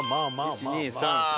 １２３４。